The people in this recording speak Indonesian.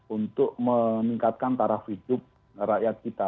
untuk meningkatkan taraf hidup rakyat kita